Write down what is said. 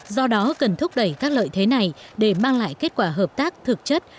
do đó cần thúc đẩy các lợi thế này để mang lại kết quả hợp tác thực chất